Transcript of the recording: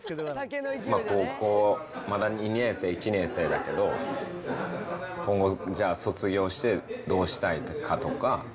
高校、まだ２年生、１年生だけど、今後、じゃあ、卒業してどうしたいかとか。